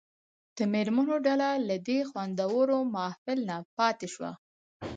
د مېرمنو ډله له دې خوندور محفل نه پاتې شوه.